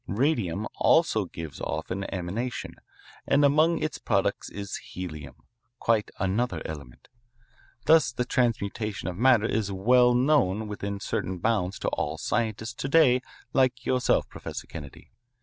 Radium also gives off an emanation, and among its products is helium, quite another element. Thus the transmutation of matter is well known within certain bounds to all scientists to day like yourself, Professor Kennedy.